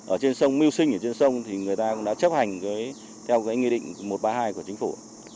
ở trên sông miu sinh người ta cũng đã chấp hành theo cái nghị định một trăm ba mươi hai của chính phủ